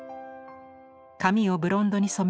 髪をブロンドに染め